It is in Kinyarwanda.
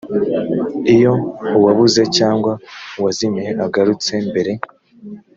iyo uwabuze cyangwa uwazimiye agarutse mbere